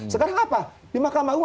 sekarang apa di mahkamah agung